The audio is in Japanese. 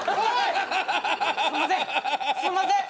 すんません。